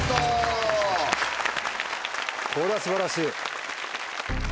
これは素晴らしい。